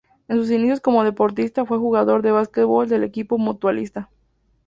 En sus inicios como deportista, fue jugador de básquetbol del equipo ""Mutualista"".